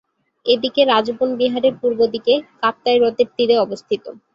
এটি রাজবন বিহারের পূর্ব দিকে, কাপ্তাই হ্রদের তীরে অবস্থিত।